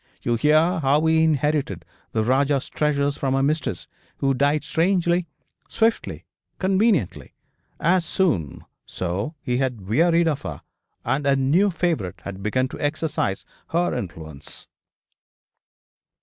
You hear how he inherited the Rajah's treasures from a mistress who died strangely, swiftly, conveniently, as soon so he had wearied of her, and a new favourite had begun to exercise her influence.